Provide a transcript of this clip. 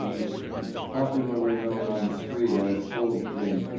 Easton, popularly known on "the Street" as "old J.